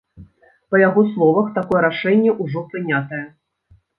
Па яго словах, такое рашэнне ўжо прынятае.